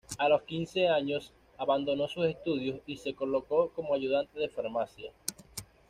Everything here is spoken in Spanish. A los quince años abandonó sus estudios y se colocó como ayudante de farmacia.